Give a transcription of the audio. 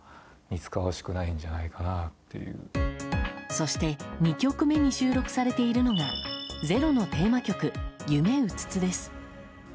そして２曲目に収録されているのが「ｚｅｒｏ」のテーマ曲「ゆめうつつ」です。